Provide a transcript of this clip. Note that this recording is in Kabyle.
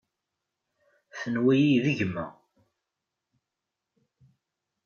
Tenwa-yi d gma.